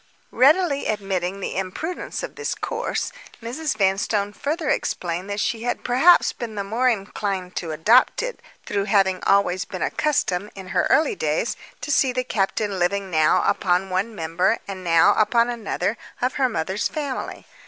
Readily admitting the imprudence of this course, Mrs. Vanstone further explained that she had perhaps been the more inclined to adopt it through having been always accustomed, in her early days, to see the captain living now upon one member, and now upon another, of her mother's family.